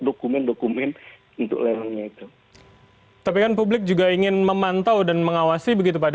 dokumen dokumen untuk lelangnya itu tapi kan publik juga ingin memantau dan mengawasi begitu pada